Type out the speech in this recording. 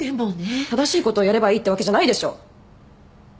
正しいことをやればいいってわけじゃないでしょ。